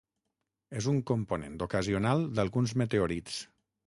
És un component ocasional d'alguns meteorits.